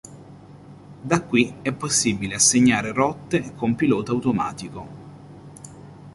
Da qui è possibile assegnare rotte con pilota automatico.